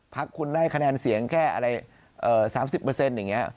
พักคุณได้คะแนนเสียงแค่อะไร๓๐อย่างนี้